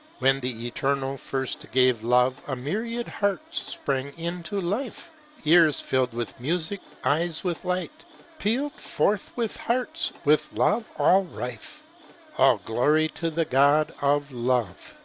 " When the Eternal first gave Love A myriad hearts sprang into life; Ears filled with music, eyes with light; Pealed forth with hearts with love all rife: All glory to the God of Love!